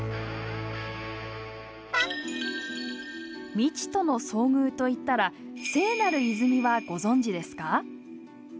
未知との遭遇といったら聖なる泉はご存じですか？